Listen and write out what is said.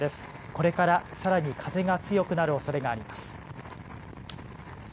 これからさらに風が強くなるおそれがあります。